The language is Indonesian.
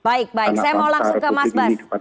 baik baik saya mau langsung ke mas bas